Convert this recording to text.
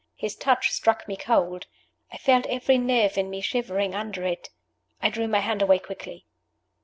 His touch struck me cold. I felt every nerve in me shivering under it; I drew my hand away quickly.